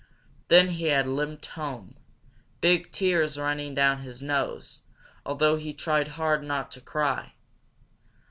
Then he had limped home, big tears running down his nose, although he tried hard not to cry.